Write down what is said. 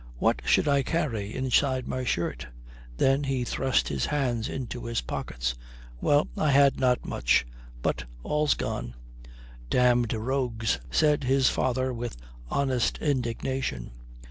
"What should I carry inside my shirt?" Then he thrust his hands into his pockets. "Well, I had not much, but all's gone." "Damned rogues," said his father with honest indignation.